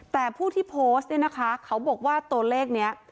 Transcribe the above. แต่ผู้ที่โพสต์เนี่ยนะคะเขาบอกว่าตัวเลขนี้